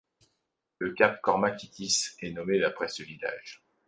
Le Cap Kormakitis est nommé d'après ce village.